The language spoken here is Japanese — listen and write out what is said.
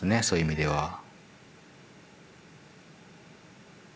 そういう意味では。